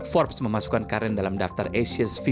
forbes memasukkan karen dalam daftar asia